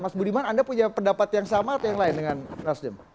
mas budiman anda punya pendapat yang sama atau yang lain dengan nasdem